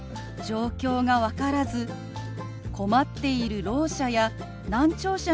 状況が分からず困っているろう者や難聴者がいる場合